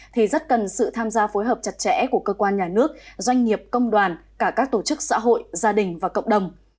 thì rất cần sự tham gia phối hợp chặt chẽ của cơ quan nhà nước doanh nghiệp công đoàn cả các tổ chức xã hội gia đình và cộng đồng